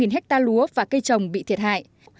hai trăm linh hecta lúa và cây trồng bị thiệt hại